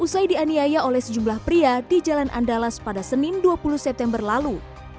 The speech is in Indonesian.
usai dianiaya oleh sejumlah pria di jalan andalas pada senin dua puluh september lalu